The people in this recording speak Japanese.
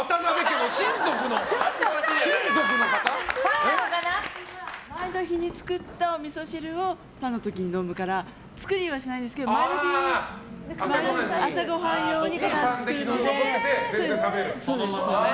うちは、前の日に作ったおみそ汁をパンの時に飲むから作りはしないですけど前の日、朝ごはん用にごはんを作るので。